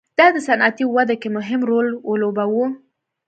دا د صنعتي وده کې مهم رول ولوباوه.